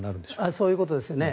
そういうことですね。